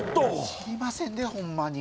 知りませんでホンマに。